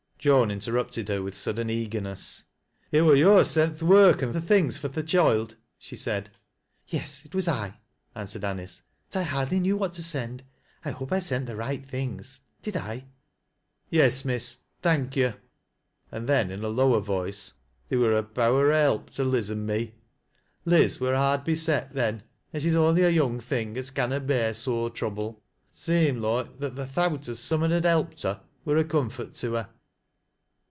Joan interrupted her with sudden eagerness. " It wur yo' as sent th' work an' th' things fur th' choild," she said. " Yes, it was I," answered Anice. " But I hardly knew what to send. I hope I sent the right things, did I ?"" Yes, miss ; thank yo'." And then in a lower voice, " They wur a power o' help to Liz an' me. Liz wur hard beset then, an' she's only a young thing as canua bear sore trouble. Seemed loike that th' thowt as some un had helped her wur a comfort to her."